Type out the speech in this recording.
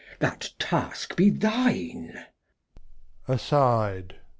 That Task be thine. Edg.